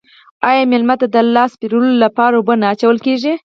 آیا میلمه ته د لاس مینځلو لپاره اوبه نه اچول کیږي؟